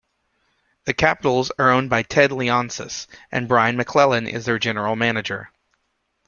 The Capitals are owned by Ted Leonsis, and Brian McClellan is their general manager.